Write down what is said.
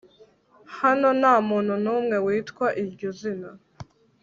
Hano ntamuntu numwe witwa iryo zina